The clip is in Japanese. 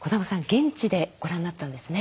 現地でご覧になったんですね。